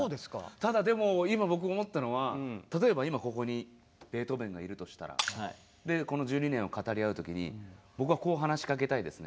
ただでも今僕思ったのは例えば今ここにベートーベンがいるとしたらでこの１２年を語り合う時に僕はこう話しかけたいですね。